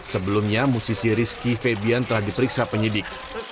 sebelumnya musisi rizky febian telah diperiksa penyidik